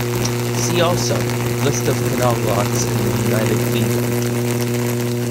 "See also" List of canal locks in the United Kingdom.